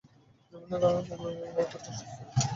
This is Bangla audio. বিভিন্ন কারণে বমি বমি ভাব বা পেটে অস্বস্তি হতে পারে।